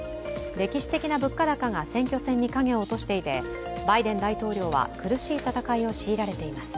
歴史的な物価高が選挙戦に影を落としていて、バイデン大統領は、苦しい戦いを強いられています。